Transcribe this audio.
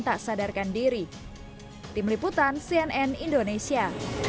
tak sadarkan diri tim liputan cnn indonesia